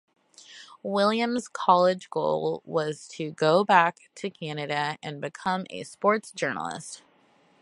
Williams' college goal was to go back to Canada and become a sports journalist.